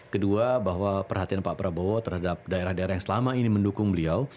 kedua bahwa perhatian pak prabowo terhadap daerah daerah yang selama ini mendukung beliau